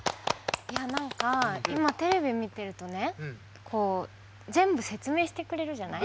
何か今テレビ見てるとね全部説明してくれるじゃない。